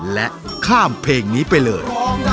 และข้ามเพลงนี้ไปเลย